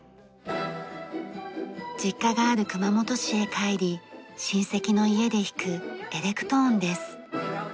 実家がある熊本市へ帰り親戚の家で弾くエレクトーンです。